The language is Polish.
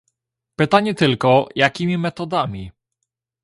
Pytanie tylko, jakimi metodami